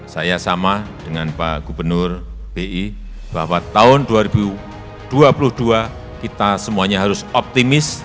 saya sama dengan pak gubernur bi bahwa tahun dua ribu dua puluh dua kita semuanya harus optimis